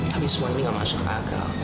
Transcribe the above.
tapi semua ini nggak masuk akal